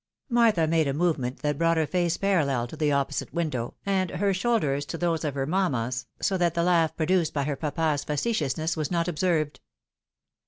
Martha made a movement that brought her face parallel to the opposite window, and her shoulders to those of her manmia's, so that the laugh produced by her papa's facetiousness was not observed.